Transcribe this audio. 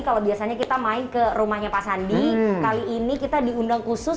kalau biasanya kita main ke rumahnya pak sandi kali ini kita diundang khusus